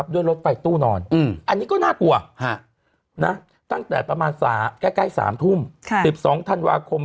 ด้วยรถไฟตู้นอนอันนี้ก็น่ากลัวตั้งแต่ประมาณใกล้๓ทุ่ม๑๒ธันวาคม